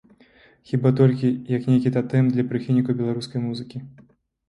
Хіба толькі, як нейкі татэм для прыхільнікаў беларускай музыкі.